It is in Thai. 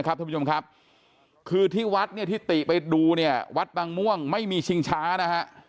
ท่านผู้ชมครับคือที่วัดเนี่ยที่ติไปดูเนี่ยวัดบางม่วงไม่มีชิงช้านะฮะ